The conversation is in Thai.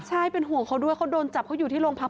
ใช่เป็นห่วงเขาด้วยเขาโดนจับเขาอยู่ที่โรงพัก